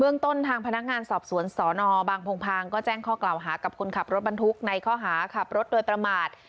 ต้นทางพนักงานสอบสวนสนบางพงพางก็แจ้งข้อกล่าวหากับคนขับรถบรรทุกในข้อหาขับรถโดยประมาท